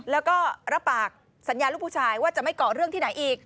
แล้วก็รับปากสัญญาลูกผู้ชายว่าจะไม่เกาะเรื่องที่ไหนอีก